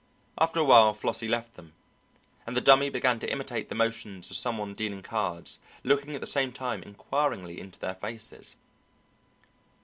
After a while Flossie left them, and the Dummy began to imitate the motions of some one dealing cards, looking at the same time inquiringly into their faces.